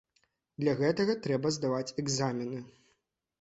Для гэтага трэба здаваць экзамены.